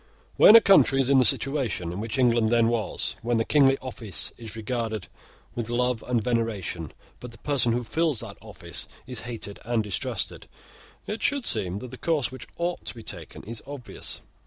When a country is in the situation in which England then was, when the kingly office is regarded with love and veneration, but the person who fills that office is hated and distrusted, it should seem that the course which ought to be taken is obvious.